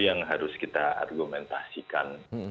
yang harus kita argumentasikan